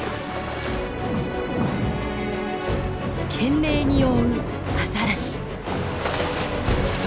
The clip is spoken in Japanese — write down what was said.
懸命に追うアザラシ。